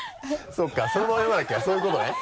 そうかそのまま読まなきゃそういうことね。